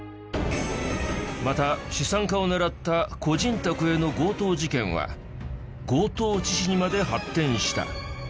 また資産家を狙った個人宅への強盗事件は強盗致死にまで発展した。